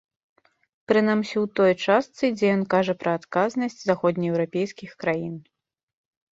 Прынамсі ў той частцы, дзе ён кажа пра адказнасць заходнееўрапейскіх краін.